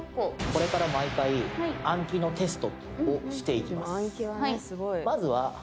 これから毎回暗記のテストをしていきます